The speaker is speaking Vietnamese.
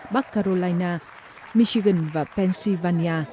bắc carolina michigan và pennsylvania